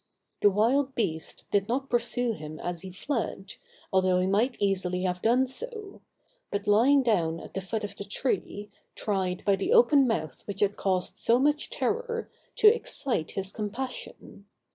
The wild beast did not pursue him as he fled, although he might easily have done so; but, lying down at the foot of the tree, tried by the open mouth which had caused so much terror, to excite his compassion.